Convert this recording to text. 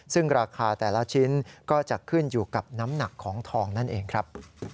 ซึ่งราคาแต่ละชิ้นก็จะขึ้นอยู่กับน้ำหนักของทองนั่นเองครับ